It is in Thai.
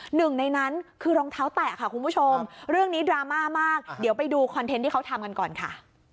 หนึ่งในนั้นคือรองเท้าแตะค่ะคุณผู้ชมเรื่องนี้ดราม่ามากเดี๋ยวไปดูคอนเทนต์ที่เขาทำกันก่อนค่ะ